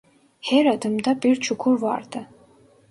Her adımda bir çukur vardı.